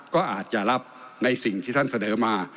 ก็อาจจะรับในสิ่งที่ท่านเสนอมา